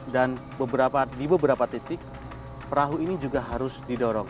di beberapa titik perahu ini juga harus didorong